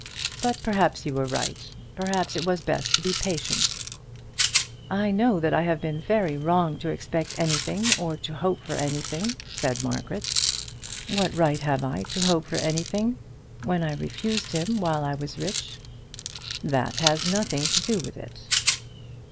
But perhaps you were right. Perhaps it was best to be patient." "I know that I have been wrong to expect anything or to hope for anything," said Margaret. "What right have I to hope for anything when I refused him while I was rich?" "That has nothing to do with it."